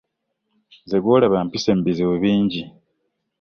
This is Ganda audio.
Nze gwolaba mpise mu bizibu bingi.